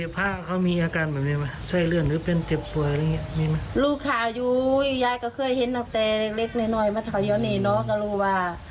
พี่ยายก็เคยเห็นอาทิตย์เล็กน้อยมาเท่ายังไงเนี่ยเนอะก็รู้ว่า